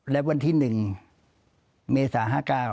และวันที่๑เมษา๕๙